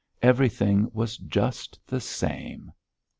Everything was just the same!